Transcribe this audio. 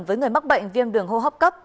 với người mắc bệnh viêm đường hô hấp cấp